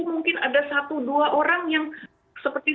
kadang ada dari seratus ribu mungkin ada satu dua orang yang seperti itu